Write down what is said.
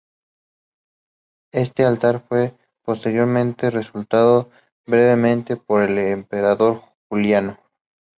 Este altar fue posteriormente restaurado brevemente por el emperador Juliano.